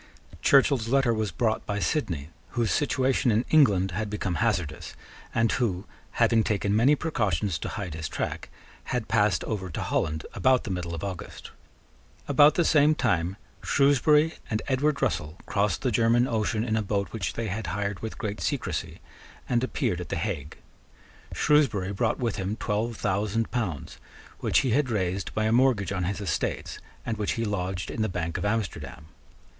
Churchill's letter was brought by Sidney, whose situation in England had become hazardous, and who, having taken many precautions to hide his track, had passed over to Holland about the middle of August. About the same time Shrewsbury and Edward Russell crossed the German Ocean in a boat which they had hired with great secrecy, and appeared at the Hague. Shrewsbury brought with him twelve thousand pounds, which he had raised by a mortgage on his estates, and which he lodged in the bank of Amsterdam.